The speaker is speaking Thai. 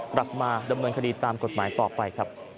กลับมาดำเนินคดีตามกฎหมายต่อไปครับ